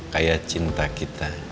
kayak cinta kita